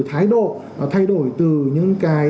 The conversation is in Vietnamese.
thái độ thay đổi từ những cái